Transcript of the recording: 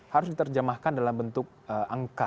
harus diterjemahkan dalam bentuk angka